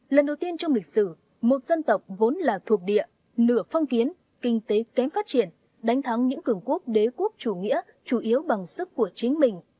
lần đầu tiên trong lịch sử một dân tộc vốn là thuộc địa nửa phong kiến kinh tế kém phát triển đánh thắng những cường quốc đế quốc chủ nghĩa chủ yếu bằng sức của chính mình